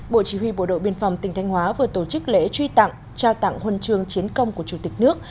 bộ chỉ huy bộ đội biên phòng tỉnh thanh hóa vừa tổ chức lễ truy tặng trao tặng huân chương chiến công của chủ tịch nước